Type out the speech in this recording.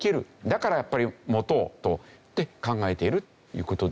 だからやっぱり持とうと考えているという事でしょうね。